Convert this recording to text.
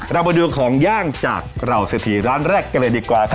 เรามาดูของย่างจากเหล่าเศรษฐีร้านแรกกันเลยดีกว่าครับ